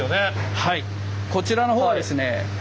こちらの方はですね